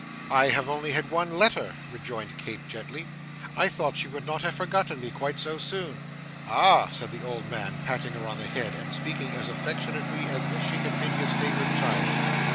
'I have only had one letter,' rejoined Kate, gently. 'I thought she would not have forgotten me quite so soon.' 'Ah,' said the old man, patting her on the head, and speaking as affectionately as if she had been his favourite child.